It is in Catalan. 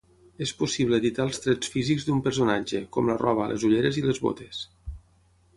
Es possible editar els trets físics d'un personatge, com la roba, les ulleres i les botes.